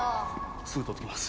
すぐ取ってきます。